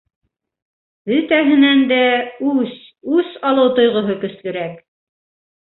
- Бөтәһенән дә үс, үс алыу тойғоһо көслөрәк!